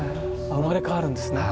生まれ変わるんですね。